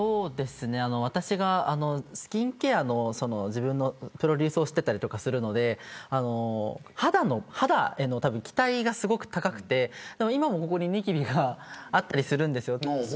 私がスキンケアの自分のプロデュースをしてたりするので肌への期待がすごく高くて今も、にきびがあるんです。